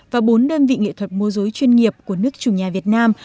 và bốn đơn vị nghệ thuật mô dối chuyên nghiệp của nước chủ nhà việt nam